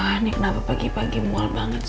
ya allah ini kenapa pagi pagi mual banget sih